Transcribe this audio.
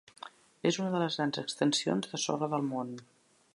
És una de les grans extensions de sorra del món.